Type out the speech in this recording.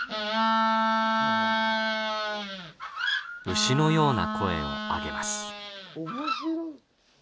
牛のような声をあげます。